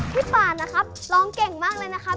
ป่านนะครับร้องเก่งมากเลยนะครับ